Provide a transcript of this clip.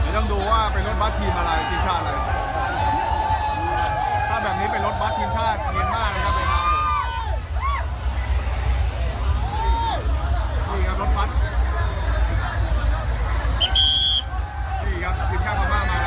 ต้องดูว่าจะเป็นรถบัตรของทีนชาติไทยหรือเปล่านะครับ